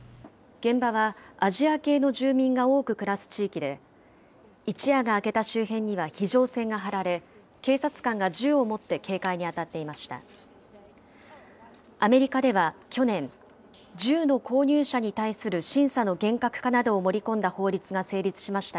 現場はアジア系の住民が多く暮らす地域で、一夜が明けた周辺には非常線がはられ、警察官が銃を持って警戒に当たっていました。